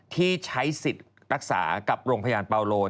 ที่ใช้สิทธิ์รักษากับโรงพยาบาลเปาโลน